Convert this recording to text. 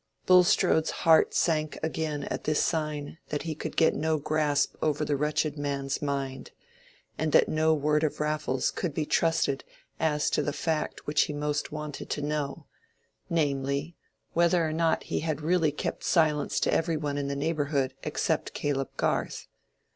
Bulstrode's heart sank again at this sign that he could get no grasp over the wretched man's mind, and that no word of Raffles could be trusted as to the fact which he most wanted to know, namely, whether or not he had really kept silence to every one in the neighborhood except Caleb Garth.